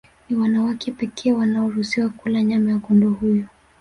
Ni wanawake pekee wanaoruhusiwa kula nyama ya kondoo huyu